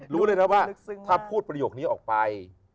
รู้เลยนะว่าถ้าพูดประโยคนี้ออกไป